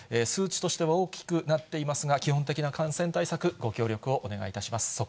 数値としては大きくなっていますが、基本的な感染対策、ご協力をお願いいたします。